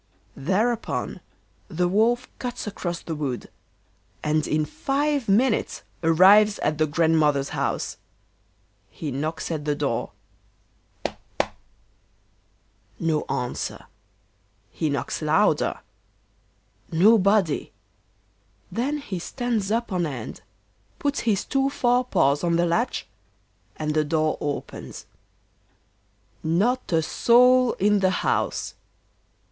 Thereupon the Wolf cuts across the wood, and in five minutes arrives at the Grandmother's house. He knocks at the door: toc, toc. No answer. He knocks louder. Nobody. Then he stands up on end, puts his two fore paws on the latch and the door opens. Not a soul in the house.